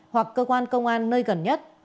hoặc cơ quan công an nơi gần nhất